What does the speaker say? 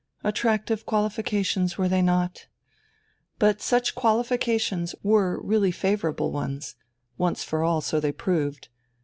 Attractive qualifications, were they not? But such qualifications were really favourable ones once for all, so they proved.